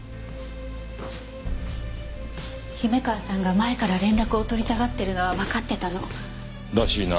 姫川さんが前から連絡を取りたがってるのはわかってたの。らしいな。